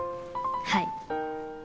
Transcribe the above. はい。